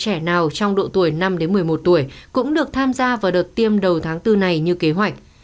trẻ nào trong độ tuổi năm đến một mươi một tuổi cũng được tham gia vào đợt tiêm đầu tháng bốn này như kế hoạch